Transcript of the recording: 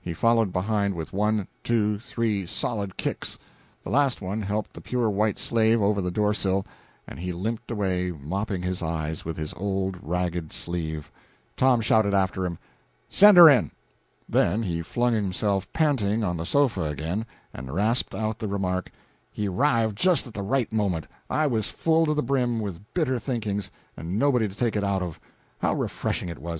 He followed behind with one, two, three solid kicks. The last one helped the pure white slave over the door sill, and he limped away mopping his eyes with his old ragged sleeve. Tom shouted after him, "Send her in!" Then he flung himself panting on the sofa again, and rasped out the remark, "He arrived just at the right moment; I was full to the brim with bitter thinkings, and nobody to take it out of. How refreshing it was!